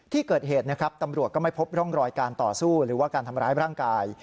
ที่เกิดเหตุนะครับตำรวจก็ไม่พบร่องรอยการต่อสู้หรือว่าการทำร้ายร่างกาย